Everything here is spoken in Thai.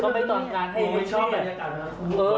เขาไม่ต้องการให้ไฮแลที่